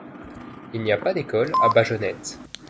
Il n'y a pas d'école à Bajonette.